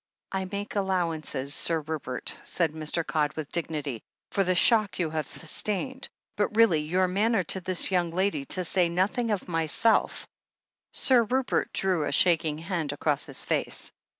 "I make allowances. Sir Rupert," said Mr. Codd with dignity, "for the shock you have sustained. But really — ^your manner to this young lady, to say nothing of myself " Sir Rupert drew a shaking hand across his face.